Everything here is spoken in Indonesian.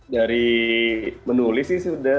dari menulis sih sudah